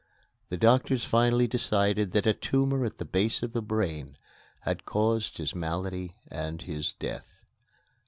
The doctors finally decided that a tumor at the base of the brain had caused his malady and his death.